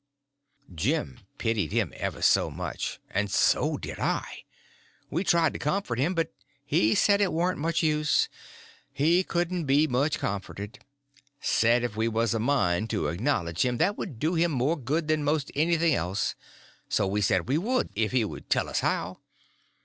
Jim pitied him ever so much, and so did I. We tried to comfort him, but he said it warn't much use, he couldn't be much comforted; said if we was a mind to acknowledge him, that would do him more good than most anything else; so we said we would, if he would tell us how.